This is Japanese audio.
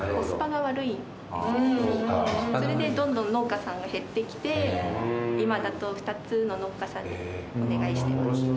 それでどんどん農家さんが減ってきて今だと２つの農家さんにお願いしてます。